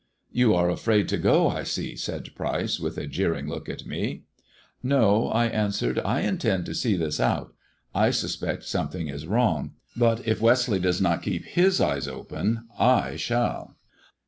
You are afraid to go, I see," said Pryce, with a jeering look at me. " No !" I answered, " I intend to see this out. I suspect something is wrong, but if Westleigh does not keep his eyes open I shall."